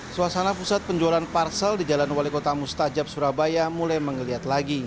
suasana pusat penjualan parsel di jalan wali kota mustajab surabaya mulai mengeliat lagi